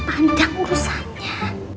bisa panjang urusannya